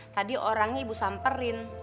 tadi orangnya ibu samperin